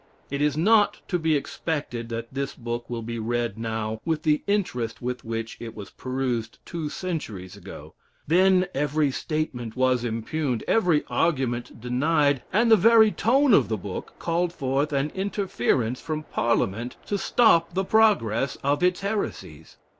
It is not to be expected that this book will be read now with the interest with which it was perused two centuries ago; then every statement was impugned, every argument denied, and the very tone of the book called forth an interference from parliament to stop the progress of its heresies.